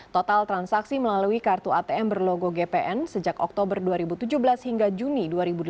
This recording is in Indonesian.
total transaksi melalui kartu atm berlogo gpn sejak oktober dua ribu tujuh belas hingga juni dua ribu delapan belas